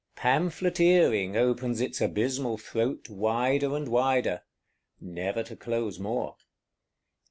Pamphleteering opens its abysmal throat wider and wider: never to close more.